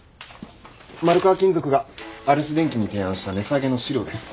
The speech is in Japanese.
丸川金属がアレス電機に提案した値下げの資料です。